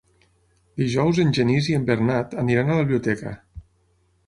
Dijous en Genís i en Bernat aniran a la biblioteca.